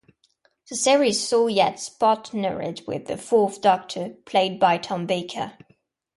The series saw Yates partnered with the Fourth Doctor, played by Tom Baker.